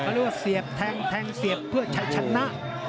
ทะลุเสียบแทงเสียบเพื่อใช้ชนะ